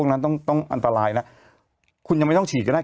อันตรายนะคุณยังไม่ต้องฉีดก็ได้